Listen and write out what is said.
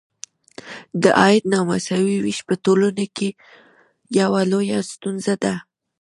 د عاید نامساوي ویش په ټولنو کې یوه لویه ستونزه ده.